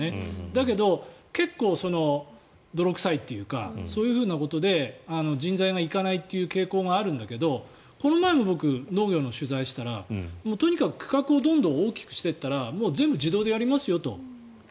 だけど結構、泥臭いというかそういうことで人材が行かないという傾向があるんだけどこの前も僕、農業の取材をしてたらとにかく区画をどんどん大きくしていったらもう全部自動でやりますよと。